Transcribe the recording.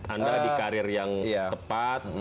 anda di karir yang tepat